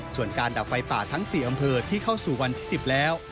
ส่วนการดับไฟป่าทั้ง๔อำเภอที่เข้าสู่วันที่๑๐แล้ว